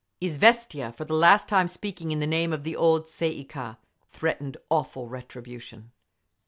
… Izviestia, for the last time speaking in the name of the old Tsay ee kah, threatened awful retribution.